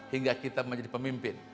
hingga kita menjadi pemimpin